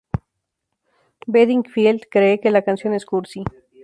Bedingfield cree que la canción es "cursi".